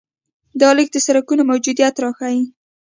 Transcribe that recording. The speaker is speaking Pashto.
دا لیک د سړکونو موجودیت راښيي.